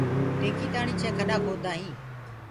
ٽيڪيٚ تآڻي ڇي کڏآ کودآ هينٚ